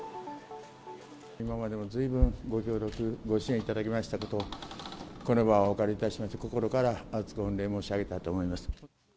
今までもずいぶんご協力、ご支援いただきましたことを、この場をお借りいたしまして、心から厚く御礼を申し上げたいと思います。